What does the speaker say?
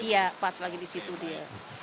iya pas lagi di situ dia